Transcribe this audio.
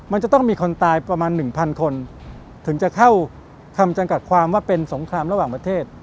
มันจะต้องมีคนตายประมาณ๑๐๐คนถึงจะเข้าคำจำกัดความว่าเป็นสงครามระหว่างประเทศ